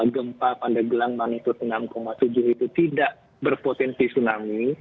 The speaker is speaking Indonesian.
gempa pandaglang maikut enam tujuh itu tidak berpotensi tsunami